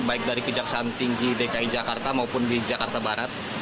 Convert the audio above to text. baik dari kejaksaan tinggi dki jakarta maupun di jakarta barat